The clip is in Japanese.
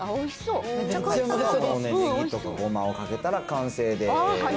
ネギとかごまをかけたら完成です。